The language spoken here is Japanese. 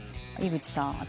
井口さん。